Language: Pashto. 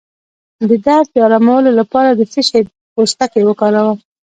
د درد د ارامولو لپاره د څه شي پوستکی وکاروم؟